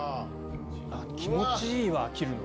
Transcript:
気持ちいいわ切るの。